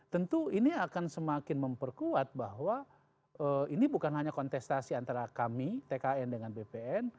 tentu ini akan semakin memperkuat bahwa ini bukan hanya kontestasi antara kami tkn dengan bpn